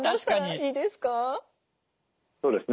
そうですね。